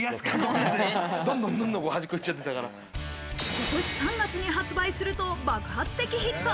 今年３月に発売すると爆発的ヒット。